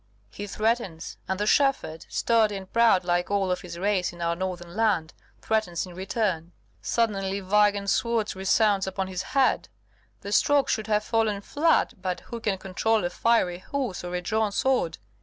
He threatens; and the shepherd, sturdy and proud like all of his race in our northern land, threatens in return. Suddenly Weigand's sword resounds upon his head, the stroke should have fallen flat, but who can control a fiery horse or a drawn sword?